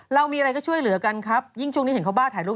เรามีอะไรก็ช่วยเหลือกันครับยิ่งช่วงนี้เห็นเขาบ้าถ่ายรูป